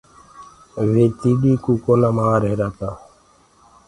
وي تيڏينٚ ڪو ڪونآ مر رهيرآ تآ۔